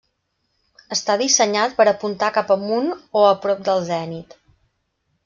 Està dissenyat per apuntar cap amunt o a prop del zenit.